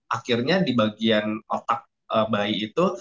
akhirnya di bagian otak bayi itu